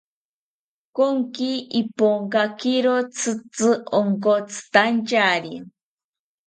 Konki Iponkakiro tzitzi onkotzitantyari